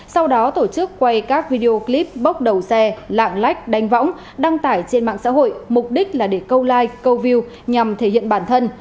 sau đó tổ chức quay các video clip bốc đầu xe lạng lách đánh võng đăng tải trên mạng xã hội mục đích là để câu like câu view nhằm thể hiện bản thân